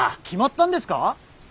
決まったんですか！？